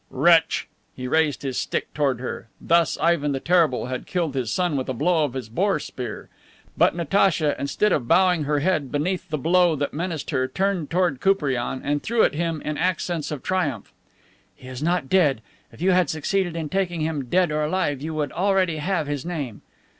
"Wretch!" He raised his stick toward her. Thus Ivan the Terrible had killed his son with a blow of his boar spear. But Natacha, instead of bowing her head beneath the blow that menaced her, turned toward Koupriane and threw at him in accents of triumph: "He is not dead. If you had succeeded in taking him, dead or alive, you would already have his name."